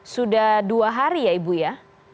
sudah dua hari ya ibu ya